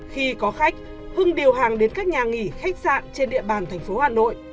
khi có khách hưng điều hàng đến các nhà nghỉ khách sạn trên địa bàn tp hà nội